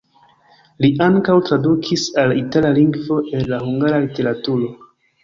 Li ankaŭ tradukis al itala lingvo el la hungara literaturo.